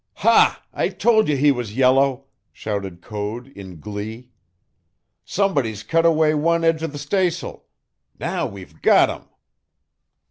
"Ha, I told you he was yellow!" shouted Code in glee. "Somebody's cut away one edge of the stays'l. Now we've got 'em!"